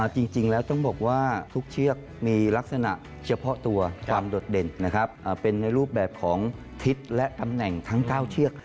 จริงแล้วต้องบอกว่าทุกเชือกมีลักษณะเฉพาะตัวความโดดเด่นเป็นในรูปแบบของทิศและตำแหน่งทั้ง๙เชือก